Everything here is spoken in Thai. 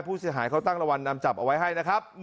ผู้เสียหายเขาตั้งรางวัลนำจับเอาไว้ให้นะครับ